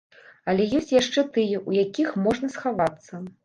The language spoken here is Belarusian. Але ёсць яшчэ тыя, у якіх можна схавацца.